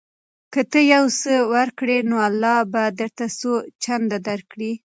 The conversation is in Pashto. که ته یو څه ورکړې نو الله به درته څو چنده درکړي.